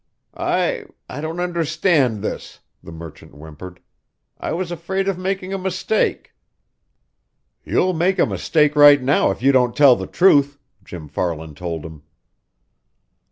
"I I don't understand this," the merchant whimpered. "I was afraid of making a mistake." "You'll make a mistake right now if you don't tell the truth!" Jim Farland told him.